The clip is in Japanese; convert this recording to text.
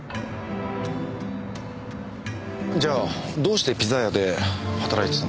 じゃあどうしてピザ屋で働いてたの？